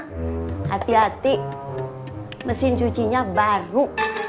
hati hati mesin cucinya baru